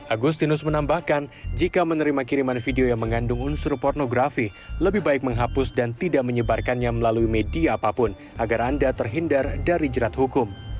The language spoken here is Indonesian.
agustinus menambahkan jika menerima kiriman video yang mengandung unsur pornografi lebih baik menghapus dan tidak menyebarkannya melalui media apapun agar anda terhindar dari jerat hukum